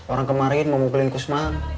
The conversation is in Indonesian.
orang kemarin mau mukulin kusma